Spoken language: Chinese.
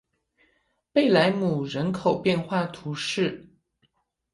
贝莱姆人口变化图示